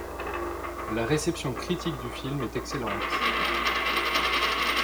La réception critique du film est excellente.